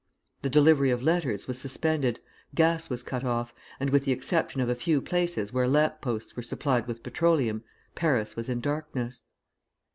The delivery of letters was suspended, gas was cut off, and with the exception of a few places where lamp posts were supplied with petroleum, Paris was in darkness.